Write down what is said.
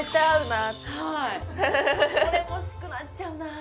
はい米欲しくなっちゃうなあ